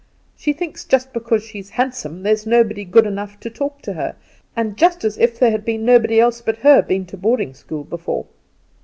She thinks just because she's handsome there's nobody good enough to talk to her, and just as if there had nobody else but her been to boarding school before.